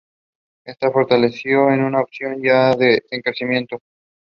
He moved to New York University.